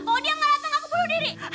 kalau dia nggak dateng aku bunuh diri